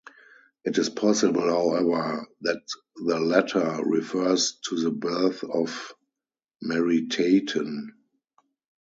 It is possible, however, that the letter refers to the birth of Meritaten.